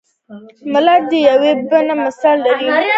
ملت د یوه بڼ مثال لري.